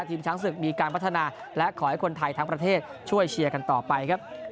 ช้างศึกมีการพัฒนาและขอให้คนไทยทั้งประเทศช่วยเชียร์กันต่อไปครับ